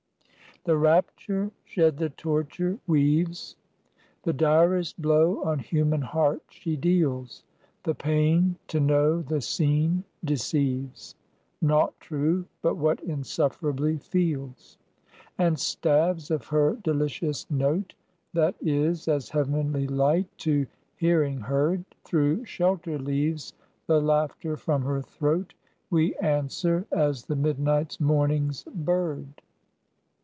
The rapture shed the torture weaves; The direst blow on human heart she deals: The pain to know the seen deceives; Nought true but what insufferably feels. And stabs of her delicious note, That is as heavenly light to hearing, heard Through shelter leaves, the laughter from her throat, We answer as the midnight's morning's bird.